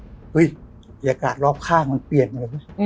อุ้ยบรรยากาศรอบข้างมันเปลี่ยนมาเลย